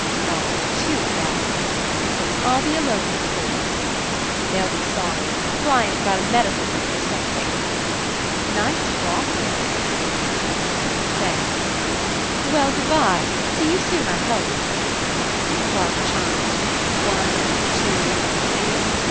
... Oh, too bad! ... I'll be alone with the boys. ... They'll be sorry. Brian's got a medical meeting, or something. ... Nice frock you're wearing. ... Thanks. ... Well, good bye; see you soon, I hope." The clock chimed. One. Two, Three.